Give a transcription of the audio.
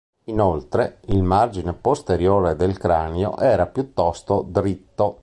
Inoltre, il margine posteriore del cranio era piuttosto dritto.